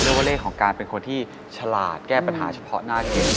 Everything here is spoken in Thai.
ว่าเลขของการเป็นคนที่ฉลาดแก้ปัญหาเฉพาะหน้าเก่ง